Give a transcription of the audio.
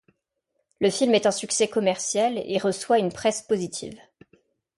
Le film est un succès commercial, et reçoit une presse positive.